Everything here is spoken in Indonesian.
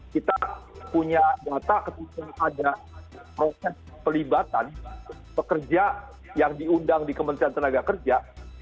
kita punya data ketika ada proses pelibatan pekerja yang diundang di kementerian tenaga kerja